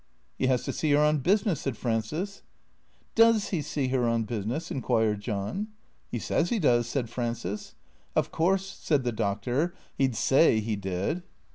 " He has to see her on business," said Frances. " Does he see her on business ?" inquired John. " He says he does," said Frances. " Of course," said the Doctor, " he 'd say he did."